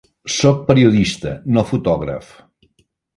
Soc periodista, no fotògraf.